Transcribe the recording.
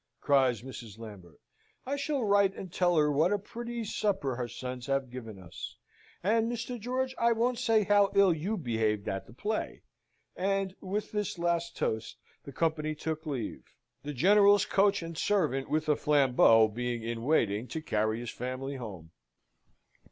cries Mrs. Lambert. "I shall write and tell her what a pretty supper her sons have given us: and, Mr. George, I won't say how ill you behaved at the play!" And, with this last toast, the company took leave; the General's coach and servant, with a flambeau, being in waiting to carry his family home.